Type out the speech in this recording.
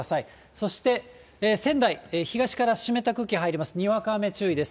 そして仙台、東から湿った空気入ります、にわか雨注意です。